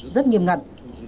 rất nghiêm ngặt